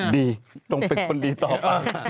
ดีตรงเป็นคนดีต่อปะ